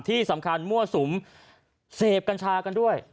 ที่สำคัญมั่วสุมเสพกัญชากันด้วย